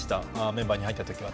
メンバーに入った時は。